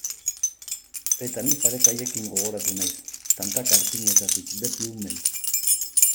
Eta ni pareta haiekin gogoratu naiz, tantaka erpinetatik, beti umel.